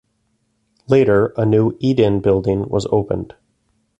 Later, a new eat-in building was opened.